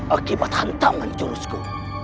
akibat hantaman jurusku